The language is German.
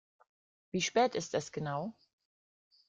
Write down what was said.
Wie spät ist es genau?